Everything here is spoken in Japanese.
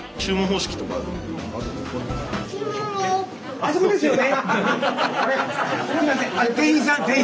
あそこですよね。